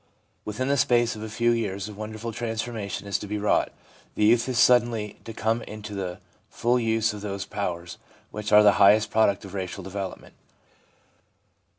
Within the space of a few years a wonderful transformation is to be wrought. The youth is suddenly to come into the full use of those powers which are the highest product of racial development.